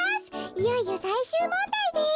いよいよさいしゅうもんだいです。